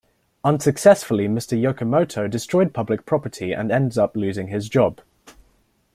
Unsuccessfully Mr. Yokomoto destroyed public property and ends up losing his job.